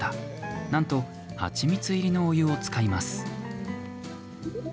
なんとハチミツ入りのお湯を使います。